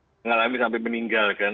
mengalami sampai meninggal kan